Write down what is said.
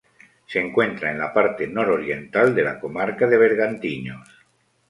Se encuentra en la parte nororiental de la comarca de Bergantiños.